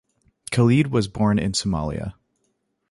Khalid was born in Somalia.